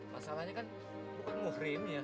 masalahnya kan bukan muhrini ya